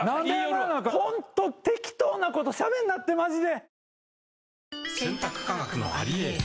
ホント適当なことしゃべんなってマジで。